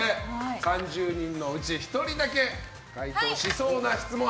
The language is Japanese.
３０人のうち１人だけ該当しそうな質問を。